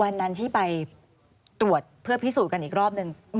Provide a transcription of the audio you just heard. วันนั้นที่ไปตรวจเพื่อพิสูจน์กันอีกรอบนึง